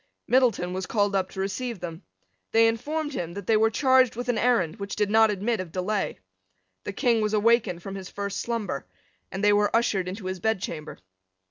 Middleton was called up to receive them. They informed him that they were charged with an errand which did not admit of delay. The King was awakened from his first slumber; and they were ushered into his bedchamber.